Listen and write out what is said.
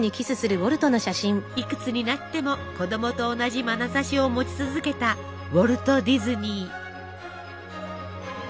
いくつになっても子供と同じまなざしを持ち続けたウォルト・ディズニー。